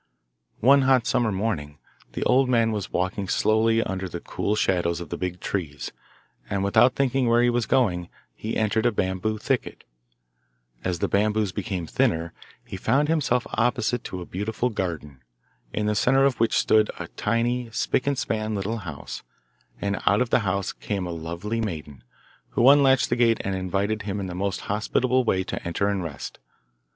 One hot summer morning, the old man was walking slowly under the cool shadows of the big trees, and without thinking where he was going, he entered a bamboo thicket. As the bamboos became thinner, he found himself opposite to a beautiful garden, in the centre of which stood a tiny spick and span little house, and out of the house came a lovely maiden, who unlatched the gate and invited him in the most hospitable way to enter and rest.